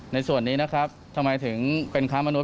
ในส่วนนี้นะครับทำไมถึงเป็นค้ามนุษ